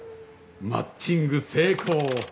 マッチング成功。